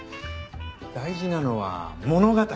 大事なのは物語。